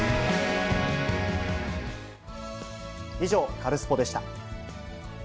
以上、カルスポっ！でした。